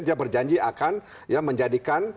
dia berjanji akan menjadikan